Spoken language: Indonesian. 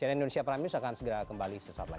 cnn indonesia prime news akan segera kembali sesaat lagi